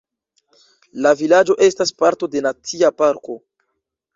La vilaĝo estas parto de Nacia parko.